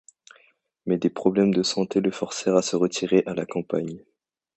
Mais des problèmes de santé le forcèrent à se retirer à la campagne.